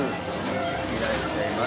いらっしゃいます。